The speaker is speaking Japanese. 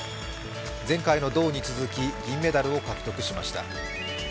前回の銅に続き銀メダルを獲得しました。